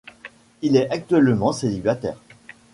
Il est actuellement célibataire.